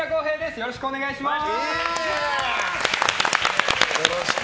よろしくお願いします。